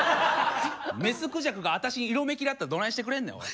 メスクジャクがあたしに色めきだったらどないしてくれんねんおい。